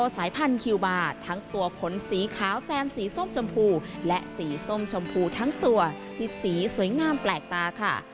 สัตว์ผลสีขาวแซมสีส้มชมพูและสีส้มชมพูทั้งตัวที่สีสวยงามแปลกตาค่ะ